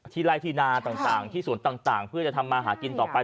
ไล่ที่นาต่างที่สวนต่างเพื่อจะทำมาหากินต่อไป